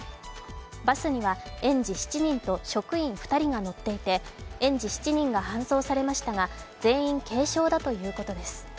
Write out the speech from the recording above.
バスには園児７人と職員２人が乗っていて園児７人が搬送されましたが全員、軽傷だということです。